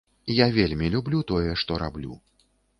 Я вельмі люблю тое, што раблю.